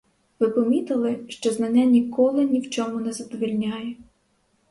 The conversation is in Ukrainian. Ви помітили, що знання ніколи ні в чому не задовольняє?